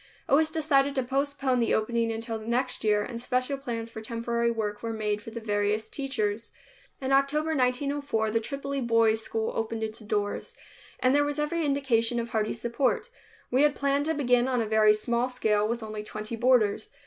It was decided to postpone the opening until the next year and special plans for temporary work were made for the various teachers. In October 1904 the Tripoli Boys' School opened its doors, and there was every indication of hearty support. We had planned to begin on a very small scale with only twenty boarders.